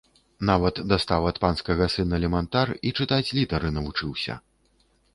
Нават дастаў ад панскага сына лемантар і чытаць літары навучыўся.